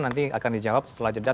nanti akan dijawab setelah jeda